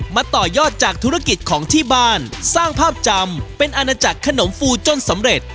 ต่อยอดจากธุรกิจของที่บ้านสร้างภาพจำเป็นอาณาจักรขนมฟูจนสำเร็จ